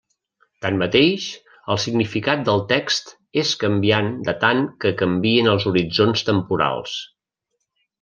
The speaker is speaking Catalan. Tanmateix, el significat del text, és canviant en tant que canvien els horitzons temporals.